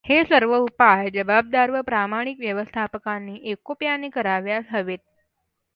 हे सर्व उपाय जबाबदार व प्रामाणिक व्यवस्थापकांनी एकोप्याने करावयास हवेत.